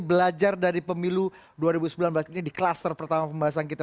belajar dari pemilu dua ribu sembilan belas ini di klaster pertama pembahasan kita